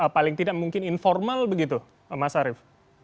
paling tidak mungkin informal begitu mas arief